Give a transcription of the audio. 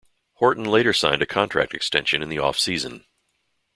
Horton later signed a contract extension in the off-season.